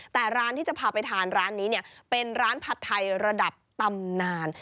แต่ร้านที่จะพาไปทานร้านนี้เนี่ยเป็นร้านผัดไทยระดับตำนาน